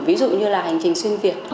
ví dụ như là hành trình xuyên việt